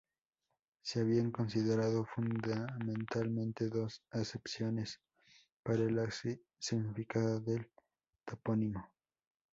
Se habían considerado fundamentalmente dos acepciones para el significado del topónimo.